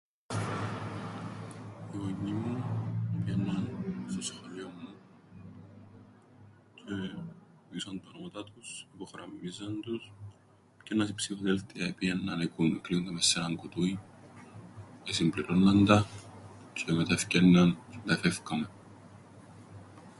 Οι γονιοί μου επηαίνναν στο σχολείον μου τζ̆αι εδιούσαν τα ονόματα τους, υπογραμμίζαν τους, επιάννασιν ψηφοδέλτια, επηαίνναν εκλείουνταν μες σ' έναν κουτούιν, εσυμπληρώνναν τα, τζ̆αι μετά εφκαίνναν, μετά εφεύκαμεν.